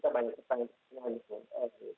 kalau pasal lain akan kita banyak bertanya tentang